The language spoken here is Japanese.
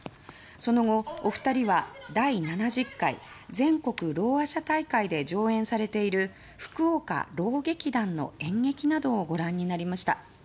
その後、お二人は第７０回全国ろうあ者大会で上演されている福岡ろう劇団の演劇などをご覧になりました。